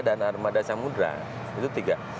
dan armada samudera